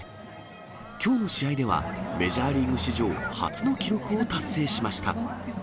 きょうの試合では、メジャーリーグ史上、初の記録を達成しました。